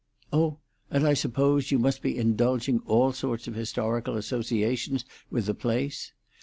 "Oh! And I supposed you must be indulging all sorts of historical associations with the place.